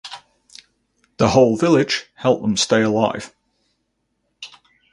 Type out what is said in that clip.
The whole village helped them stay alive.